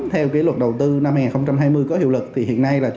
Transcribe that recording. theo luật đầu tư năm hai nghìn hai mươi có hiệu lực